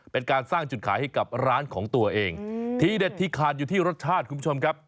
เป็นการสร้างจุดขายให้กับร้านของตัวเองทีเด็ดที่ขาดอยู่ที่รสชาติคุณผู้ชมครับ